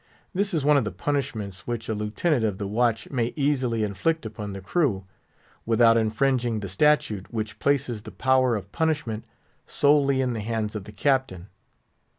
This is one of the punishments which a lieutenant of the watch may easily inflict upon the crew, without infringing the statute which places the power of punishment solely in the hands of the Captain.